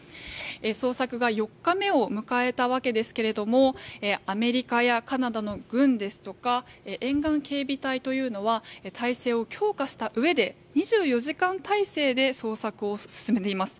捜索が４日目を迎えたわけですけどもアメリカやカナダの軍ですとか沿岸警備隊というのは態勢を強化したうえで２４時間態勢で捜索を進めています。